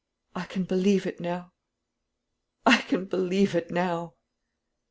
I can believe it now; I can believe it now."